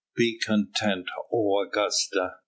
Be content, O Augusta!